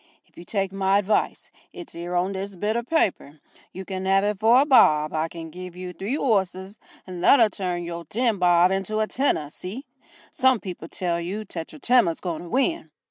If you take my advice it's 'ere on this bit o' paper you can 'ave it for a bob I can give you three 'orses that'll turn your ten bob into a tenner see? Some people tell you Tetratema's going to win."